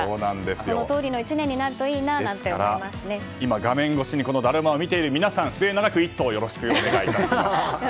そのとおりの１年に今、画面越しにだるまを見ている皆さん末永く「イット！」をよろしくお願いします。